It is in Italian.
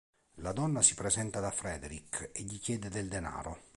La donna si presenta da Frederick e gli chiede del denaro.